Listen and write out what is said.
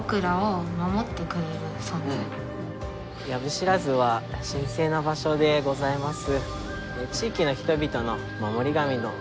藪知らずは神聖な場所でございます。